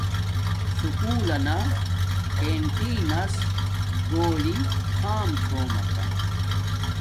سکُول لنا کنٹین نس گھولی کھام چھومکا